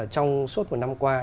trong suốt một năm qua